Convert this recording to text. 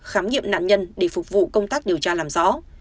khám nghiệm nạn nhân để phục vụ công tác điều tra làm rõ